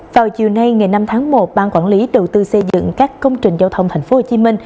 vào chiều nay ngày năm tháng một ban quản lý đầu tư xây dựng các công trình giao thông tp hcm